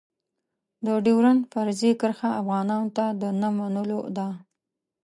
د ډېورنډ فرضي کرښه افغانانو ته د نه منلو ده.